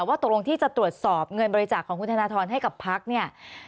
ว่าตกลงที่จะตรวจสอบเงินบริจาคของคุณธนทรให้กับพักเนี่ย